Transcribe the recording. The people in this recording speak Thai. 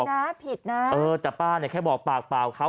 ไม่ได้เลยนะผิดนะเออแต่ป้าเนี่ยแค่บอกปากป่าวเขา